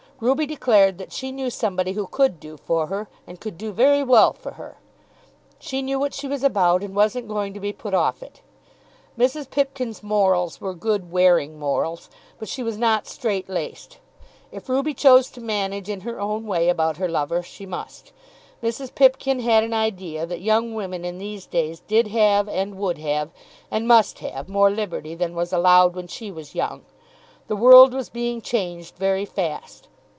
Ruby declared that she knew somebody who could do for her, and could do very well for her. She knew what she was about, and wasn't going to be put off it. Mrs. Pipkin's morals were good wearing morals, but she was not strait laced. If Ruby chose to manage in her own way about her lover she must. Mrs. Pipkin had an idea that young women in these days did have, and would have, and must have more liberty than was allowed when she was young. The world was being changed very fast.